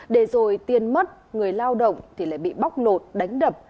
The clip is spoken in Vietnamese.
để rồi tiên mất người lao động thì lại bị bóc nột đánh đập